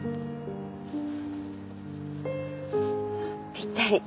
ぴったり。